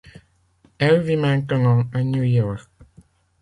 Elle vit maintenant à New York.